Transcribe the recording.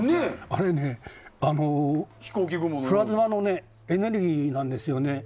あれね、プラズマのエネルギーなんですよね。